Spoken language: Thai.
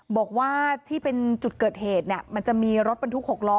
บอกว่าที่เป็นจุดเกิดเหตุเนี่ยมันจะมีรถบรรทุก๖ล้อ